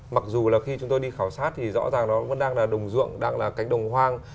mặc dù là khi chúng tôi đi khảo sát thì rõ ràng nó vẫn đang là đồng ruộng đang là cánh đồng hoang